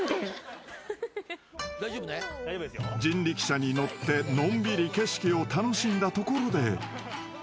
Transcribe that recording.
［人力車に乗ってのんびり景色を楽しんだところで］